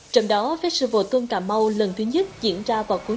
trong đó festival tôn cà mau lần thứ nhất diễn ra vào cuối tuần